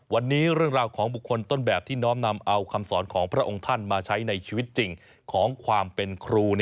วันนี้เรื่องราวของบุคคลต้นแบบที่น้อมนำเอาคำสอนของพระองค์ท่านมาใช้ในชีวิตจริงของความเป็นครู